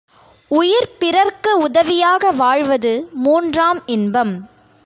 உயிர் பிறர்க்கு உதவியாக வாழ்வது மூன்றாம் இன்பம்.